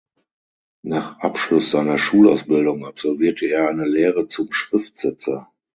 Nach Abschluss seiner Schulausbildung absolvierte er eine Lehre zum Schriftsetzer.